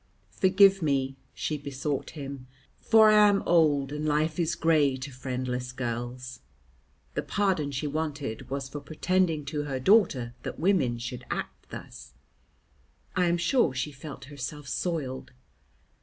"Forgive me," she besought him, "for I am old, and life is gray to friendless girls." The pardon she wanted was for pretending to her daughter that women should act thus. I am sure she felt herself soiled.